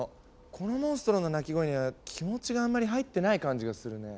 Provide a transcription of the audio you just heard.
このモンストロの鳴き声には気持ちがあんまり入ってない感じがするね。